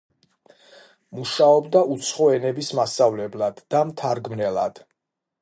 მუშაობდა უცხო ენების მასწავლებლად და მთარგმნელად.